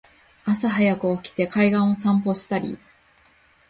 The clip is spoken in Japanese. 朝はやく起きて海岸を散歩したり